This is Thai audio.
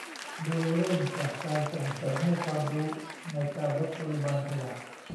โดยเริ่มจากการส่งเสริมให้ความรู้ในการลดปริมาณขยะ